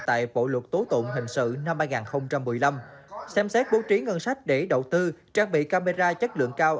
tại bộ luật tố tụng hình sự năm hai nghìn một mươi năm xem xét bố trí ngân sách để đầu tư trang bị camera chất lượng cao